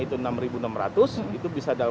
itu enam ribu enam ratus itu bisa dalam